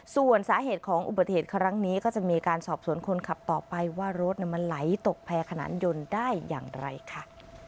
ส่วนสาเหตุของอุบัติเหตุครั้งนี้ก็จะมีการสอบสวนคนขับต่อไปว่ารถมันไหลตกแพร่ขนานยนต์ได้อย่างไรค่ะ